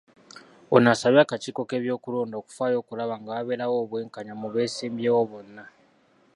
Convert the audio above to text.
Ono asabye akakiiko k'ebyokulonda okufaayo okulaba nga wabeerawo obwenkanya mu beesimbyewo bonna.